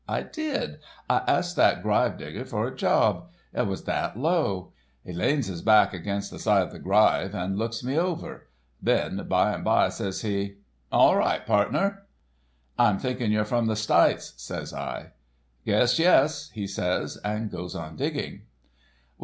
I did—I asked that gryve digger for a job—I was that low. He leans his back against the side of the gryve and looks me over, then by and bye, says he: "'All right, pardner!' "'I'm thinking your from the Stytes,' says I. "'Guess yes,' he says, and goes on digging.